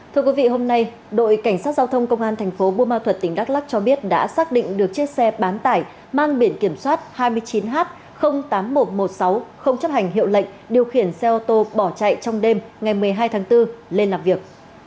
thưa quý vị hôm nay đội cảnh sát giao thông công an thành phố buôn ma thuật tỉnh đắk lắc cho biết đã xác định được chiếc xe bán tải mang biển kiểm soát hai mươi chín h tám nghìn một trăm một mươi sáu không chấp hành hiệu lệnh điều khiển xe ô tô bỏ chạy trong đêm ngày một mươi hai tháng bốn lên làm việc